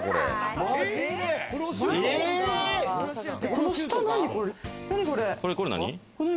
この下、何これ。